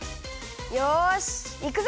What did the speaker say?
よしいくぞ。